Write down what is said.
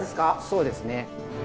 そうですね。